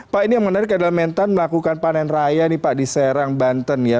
pak ini yang menarik adalah mentan melakukan panen raya nih pak di serang banten ya